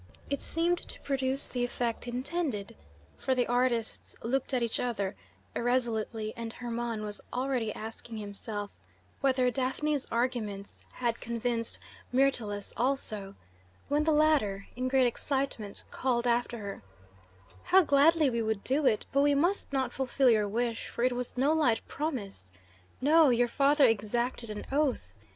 It seemed to produce the effect intended, for the artists looked at each other irresolutely, and Hermon was already asking himself whether Daphne's arguments had convinced Myrtilus also, when the latter, in great excitement, called after her: "How gladly we would do it, but we must not fulfil your wish, for it was no light promise no, your father exacted an oath.